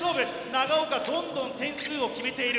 長岡どんどん点数を決めている。